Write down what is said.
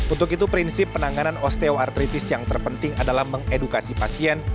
untuk itu prinsip penanganan osteoartritis yang terpenting adalah mengedukasi pasien